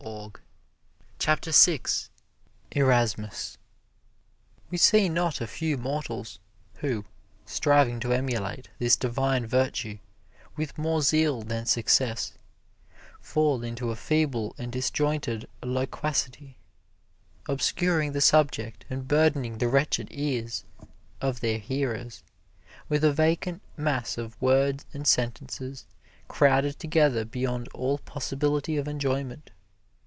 [Illustration: ERASMUS] ERASMUS We see not a few mortals who, striving to emulate this divine virtue with more zeal than success, fall into a feeble and disjointed loquacity, obscuring the subject and burdening the wretched ears of their hearers with a vacant mass of words and sentences crowded together beyond all possibility of enjoyment.